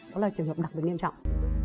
đó là trường hợp đặc biệt nghiêm trọng